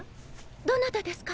どなたですか？